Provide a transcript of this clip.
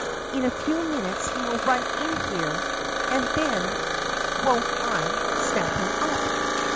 In a few minutes he will run in here, and then won't I snap him up!"